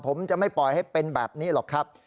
ผมจะไม่ปล่อยให้เป็นแบบนี้หรอกครับ